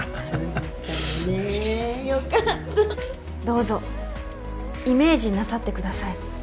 どうぞイメージなさってください